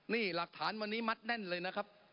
นี่หลักฐานวันนี้มัดแน่นเลยนะครับ